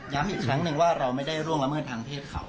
อีกครั้งหนึ่งว่าเราไม่ได้ล่วงละเมิดทางเพศเขา